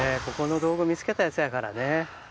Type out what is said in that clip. ここの道具見つけたやつやからね。